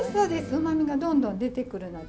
うまみがどんどん出てくるので。